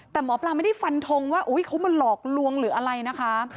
แต่หมอปลาไม่ได้ฟันทงว่าเขามาหลอกลวงหรืออะไรนะคะ